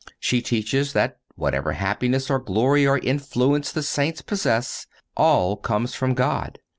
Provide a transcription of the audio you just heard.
She teaches that whatever happiness or glory or influence the saints possess, all comes from God.